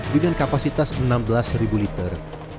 dengan kapasitas enam belas liter